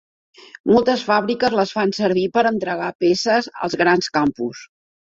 Moltes fàbriques les fan servir per entregar peces als grans campus.